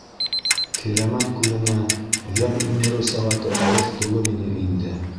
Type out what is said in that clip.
Кирәмәт күленә йән индереү сәғәте алыҫ түгел ине инде.